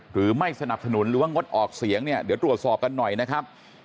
หรือไม่สนับสนุนหรือว่างดออกเสียงเนี่ยเดี๋ยวตรวจสอบกันหน่อยนะครับ